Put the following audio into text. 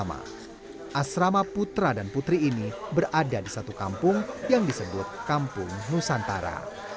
asrama putra dan putri ini berada di satu kampung yang disebut kampung nusantara